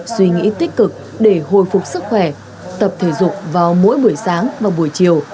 suy nghĩ tích cực để hồi phục sức khỏe tập thể dục vào mỗi buổi sáng và buổi chiều